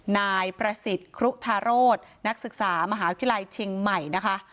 นายประสิทธิ์ครุธาโรธนักศึกษามหาวิทยาลัยเชียงใหม่นะคะ